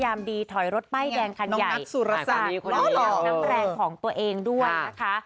ยามดีถอยรถใบ้แดงคันใหญ่น้องนัทสุรสรรค์น้ำแรงของตัวเองด้วยนะคะ